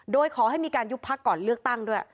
โดยขอให้มีการยุบพักก่อนเลือกตั้งด้วย